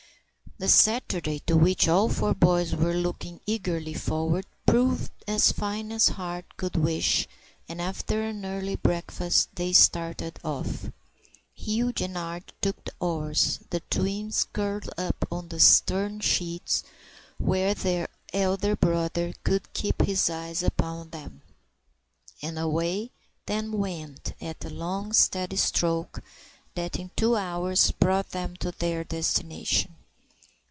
The Saturday to which all four boys were looking eagerly forward proved as fine as heart could wish, and after an early breakfast they started off. Hugh and Archie took the oars, the twins curled up on the stern sheets, where their elder brother could keep his eye upon them, and away they went at a long steady stroke that in two hours brought them to their destination.